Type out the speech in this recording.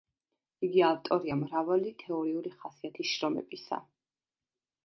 იგი ავტორია მრავალი თეორიული ხასიათის შრომებისა,